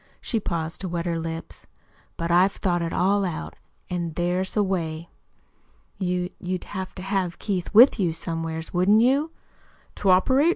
She paused to wet her lips. "But I've thought it all out, an' there's a way." "You you'd have to have Keith with you, somewheres, wouldn't you?" "To operate?